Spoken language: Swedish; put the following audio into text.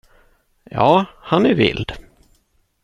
Ja, han är vild.